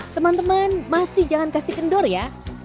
teman teman masih jangan kasih kendor ya